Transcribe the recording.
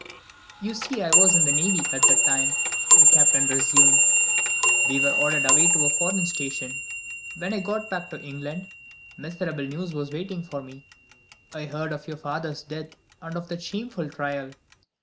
"You see I was in the Navy at the time," the Captain resumed; "and we were ordered away to a foreign station. When I got back to England, miserable news was waiting for me. I heard of your father's death and of that shameful Trial.